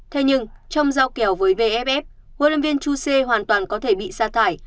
thế nhưng trong giao kèo với vff huấn luyện viên chu xie hoàn toàn có thể bị xa thải